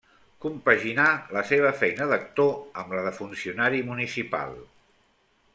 Compaginà la seva feina d'actor amb la de funcionari municipal.